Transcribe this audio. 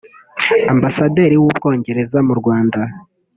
Ambasaderi w’u Bwongereza mu Rwanda